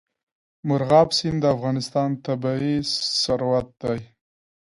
مورغاب سیند د افغانستان طبعي ثروت دی.